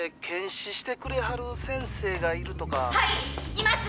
います！